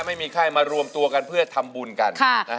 ไม่มีไข้มารวมตัวกันเพื่อทำบุญกัน